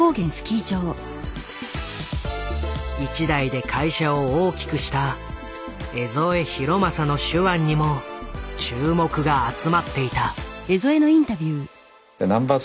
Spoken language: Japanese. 一代で会社を大きくした江副浩正の手腕にも注目が集まっていた。